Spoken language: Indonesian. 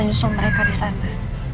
nyusul mereka di sana